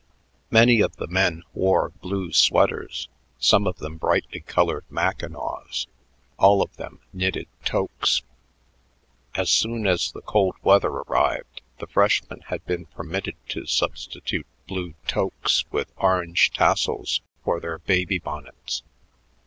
Many of the men wore blue sweaters, some of them brightly colored Mackinaws, all of them knitted toques. As soon as the cold weather arrived, the freshmen had been permitted to substitute blue toques with orange tassels for their "baby bonnets."